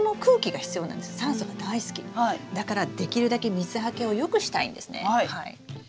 だからできるだけ水はけをよくしたいんですね。